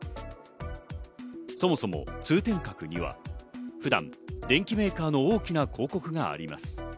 そもそも通天閣には普段、電機メーカーの大きな広告があります。